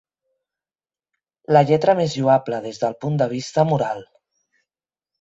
La lletra més lloable des del punt de vista moral.